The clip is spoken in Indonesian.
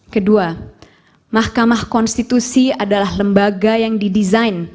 kedua mahkamah konstitusi adalah lembaga yang didesain